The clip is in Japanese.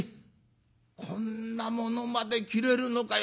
こんなものまで切れるのかよ。